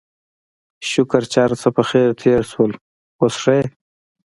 شکر چې هرڅه پخير تېر شول، اوس ښه يې؟